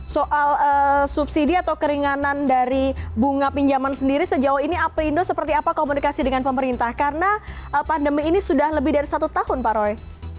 soal subsidi atau keringanan dari bunga pinjaman sendiri sejauh ini aprindo seperti apa komunikasi dengan pemerintah karena pandemi ini sudah lebih dari satu tahun pak roy